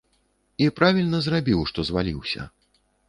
І правільна зрабіў, што зваліўся.